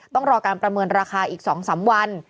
ต้องรอการประเมินราคาอีก๒๓วัน